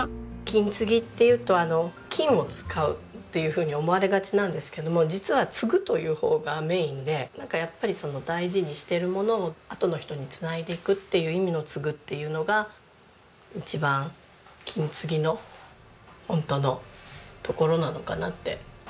金継ぎっていうと金を使うというふうに思われがちなんですけども実は「継ぐ」というほうがメインでやっぱり大事にしているものをあとの人に繋いでいくっていう意味の「継ぐ」っていうのが一番金継ぎのホントのところなのかなって。